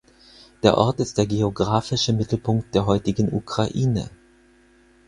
Der Ort ist der geographische Mittelpunkt der heutigen Ukraine.